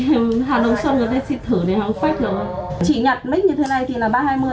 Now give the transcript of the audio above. chị nhặt mic như thế này thì là ba trăm hai mươi